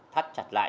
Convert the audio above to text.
thắt chặt lại